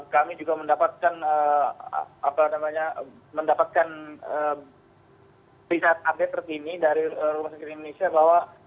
kami juga mendapatkan apa namanya mendapatkan riset update terkini dari rumah sakit indonesia bahwa